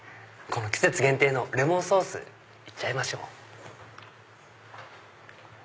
季節限定のレモンソース行っちゃいましょう。